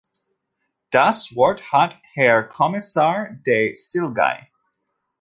Das Wort hat Herr Kommissar de Silguy.